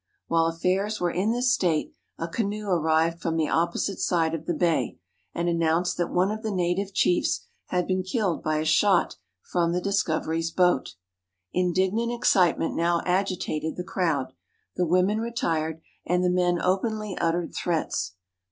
While affairs were in this state, a canoe arrived from the opposite side of the bay, and announced that one of the native chiefs had been killed by a shot from the 515 ISLANDS OF THE PACIFIC Discovery's boat. Indignant excitement now agitated the crowd; the women retired, and the men openly uttered threats.